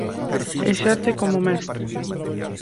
Exerce como mestre.